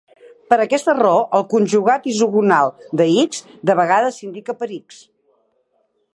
Per aquesta raó, el conjugat isogonal d'"X" de vegades s'indica per "X".